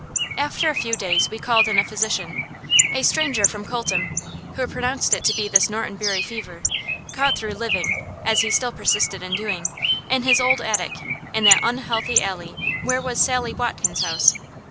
After a few days we called in a physician a stranger from Coltham who pronounced it to be this Norton Bury fever, caught through living, as he still persisted in doing, in his old attic, in that unhealthy alley where was Sally Watkins's house.